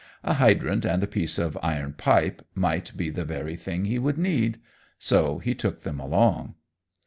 A hydrant and a piece of iron pipe might be the very thing he would need. So he took them along.